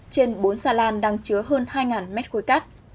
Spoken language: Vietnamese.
trên bốn xà lan đang chứa hơn hai mét khối cát